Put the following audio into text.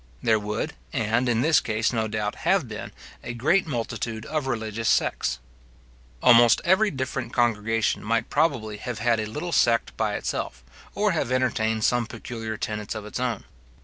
There would, and, in this case, no doubt, have been, a great multitude of religious sects. Almost every different congregation might probably have had a little sect by itself, or have entertained some peculiar tenets of its own.